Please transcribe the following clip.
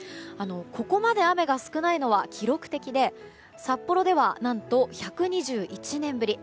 ここまで雨が少ないのは記録的で札幌では何と１２１年ぶり。